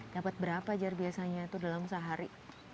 dapat berapa jare biasanya dalam sehari